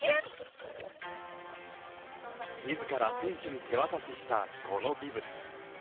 自ら選手に手渡しした、このビブス。